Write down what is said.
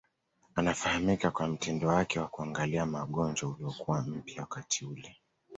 Anafahamika kwa mtindo wake wa kuangalia magonjwa uliokuwa mpya wakati ule.